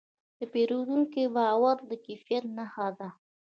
د پیرودونکي باور د کیفیت نښه ده.